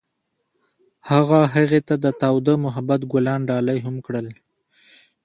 هغه هغې ته د تاوده محبت ګلان ډالۍ هم کړل.